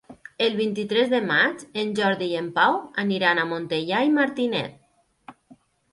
El vint-i-tres de maig en Jordi i en Pau aniran a Montellà i Martinet.